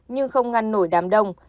nhưng không ngăn nổi đám đông